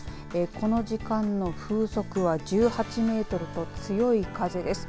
この時間の風速は１８メートルと強い風です。